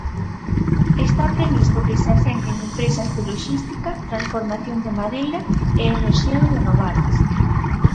Está previsto que se asenten empresas de loxística, transformación de madeira e enerxías renovables.